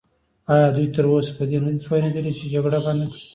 ایا دوی تراوسه په دې نه دي توانیدلي چې جګړه بنده کړي؟